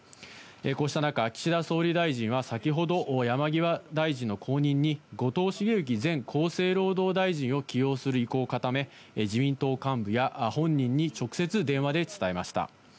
こうした中、岸田総理大臣は先ほど、山際大臣の後任に後藤茂之前厚生労働大臣を起用する意向を固め、自民党幹部や本人に直接電話で伝えました。